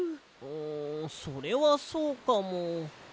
んそれはそうかも。